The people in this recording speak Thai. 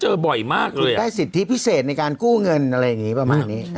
เจอบ่อยมากเลยอ่ะได้สิทธิพิเศษในการกู้เงินอะไรแบบนี้